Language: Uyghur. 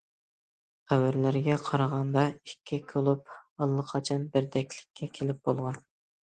خەۋەرلەرگە قارىغاندا، ئىككى كۇلۇب ئاللىقاچان بىردەكلىككە كېلىپ بولغان.